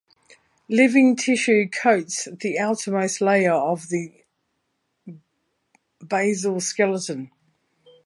Living tissue coats the outermost layer of the basal skeleton.